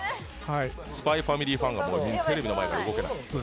「ＳＰＹ×ＦＡＭＩＬＹ」ファンがテレビの前から動けない。